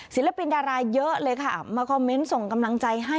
ศิลปินดาราเยอะเลยค่ะมาคอมเมนต์ส่งกำลังใจให้